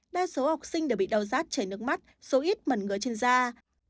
đa số học sinh đều bị đau rát chảy nước mắt số ít mẩn ngứa trên da